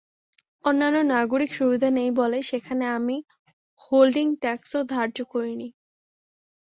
অন্যান্য নাগরিক সুবিধা নেই বলে সেখানে আমি হোল্ডিং ট্যাক্সও ধার্য করিনি।